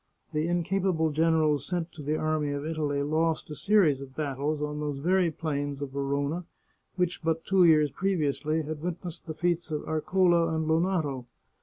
The incapable generals sent to the Army of Italy lost a series of battles on those very plains of Verona which but two years previously had witnessed the feats of Areola and Lonato.